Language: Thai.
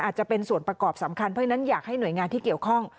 อาจจะเป็นส่วนประกอบสำคัญเพราะฉะนั้นอยากให้หน่วยงานที่เกี่ยวข้อง